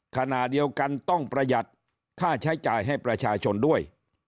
ขณะเดียวกันต้องประหยัดค่าใช้จ่ายให้ประชาชนด้วย